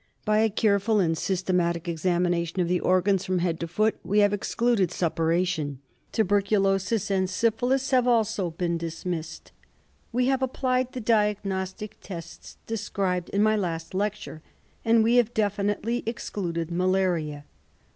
By a careful and systematic examination of the organs from head to foot we have excluded suppuration. Tuberculosis and syphilis have also been dismissed. We have applied the diag nostic tests described in my last lecture, and we have definitely excluded malaria.